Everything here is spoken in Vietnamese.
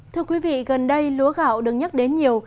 thưa quý vị gần đây lúa gạo được nhắc đến nhiều